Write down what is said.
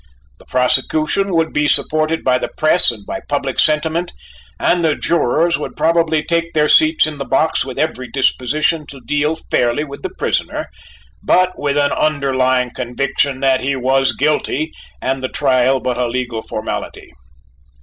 The prosecution would be supported by the press and by public sentiment and the jurors would probably take their seats in the box with every disposition to deal fairly by the prisoner, but with an underlying conviction that he was guilty and the trial but a legal formality.